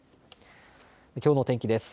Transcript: きょうの天気です。